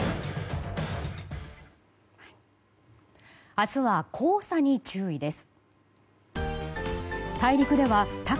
明日は黄砂に注意です。